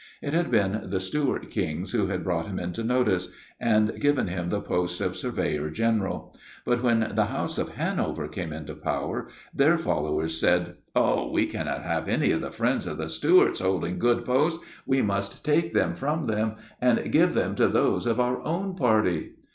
It had been the Stuart Kings who had brought him into notice, and given him the post of Surveyor General; but when the House of Hanover came into power, their followers said, 'Oh, we cannot have any of the friends of the Stuarts holding good posts; we must take them from them, and give them to those of our own party.